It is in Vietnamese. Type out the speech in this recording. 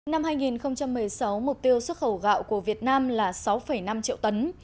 năm hai nghìn một mươi sáu mục tiêu xuất khẩu gạo của việt nam là sáu năm triệu tấn